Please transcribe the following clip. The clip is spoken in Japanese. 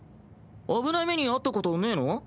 危ない目に遭ったことねぇの？